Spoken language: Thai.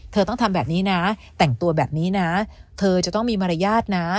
เธอต้องทำแบบนี้นะแต่งตัวแบบนี้นะเธอจะต้องมีมารยาทนะ